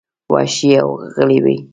وحشي او غلي وې.